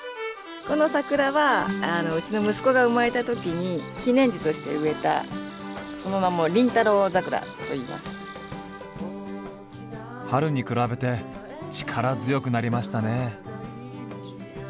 この桜はうちの息子が生まれたときに記念樹として植えたその名も春に比べて力強くなりましたね。